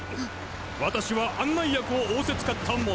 私は案内役を仰せつかった者！